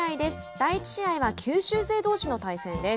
第１試合は九州勢どうしの対戦です。